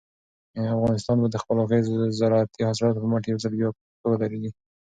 افغانستان به د خپلو زارعتي حاصلاتو په مټ یو ځل بیا په پښو ودرېږي.